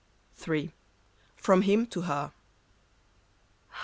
FROM HIM TO HER.